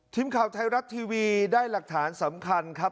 ทีมข่าวไทยรัฐทีวีได้หลักฐานสำคัญครับ